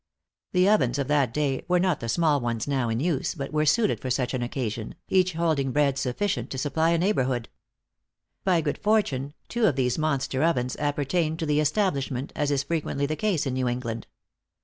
The ovens of that day were not the small ones now in use, but were suited for such an occasion, each holding bread sufficient to supply a neighborhood. By good fortune two of these monster ovens appertained to the establishment, as is frequently the case in New England.